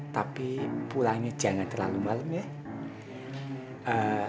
tapi pulangnya jangan terlalu malam ya